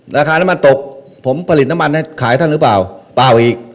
ราคาน้ำมันตกผมผลิตน้ำมันให้ขายท่านหรือเปล่าเปล่าอีก